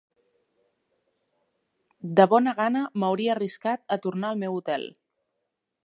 De bona gana m'hauria arriscat a tornar al meu hotel